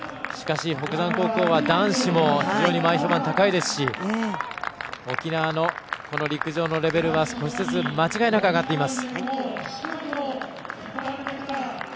北山高校は男子も前評判高いですし沖縄の陸上のレベルは少しずつ、間違いなく上がっています。